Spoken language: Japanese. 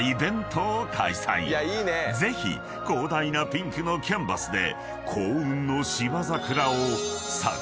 ［ぜひ広大なピンクのキャンバスで］